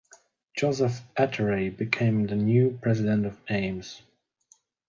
Joseph Ettore became the new president of Ames.